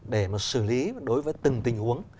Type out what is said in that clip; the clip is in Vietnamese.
để mà xử lý đối với từng tình huống